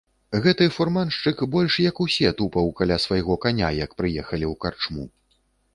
Гэты фурманшчык больш як усе тупаў каля свайго каня, як прыехалі ў карчму.